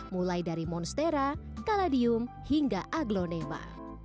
mulai dari monstera kaladium hingga aglonema